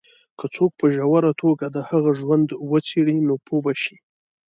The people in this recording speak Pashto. که څوک په ژوره توګه د هغه ژوند وڅېـړي، نو پوه به شي.